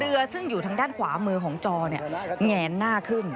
เรือซึ่งอยู่ทางด้านขวามือของจอเนี่ยแงนหน้าขึ้น